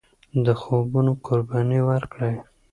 د خوبونو قرباني ورکړئ.